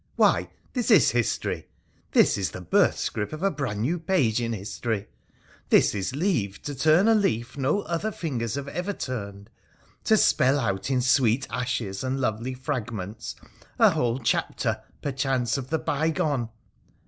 Why, this is history ; this is the birthscrip of a brand new page in history; this is leave to turn a leaf no other fingers have ever turned, to spell out in sweet ashes and lovely fragments a whole chapter, perchance, of the bygone.